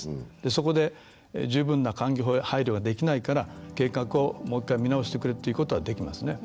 そこで十分な環境配慮ができないから計画をもう１回見直してくれっていうことはできますね。